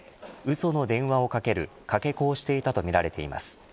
その電話をかけるかけ子をしていたとみられています。